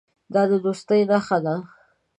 دا د دوستۍ نښه ده.